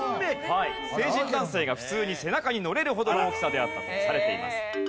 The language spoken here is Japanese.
成人男性が普通に背中に乗れるほどの大きさであったとされています。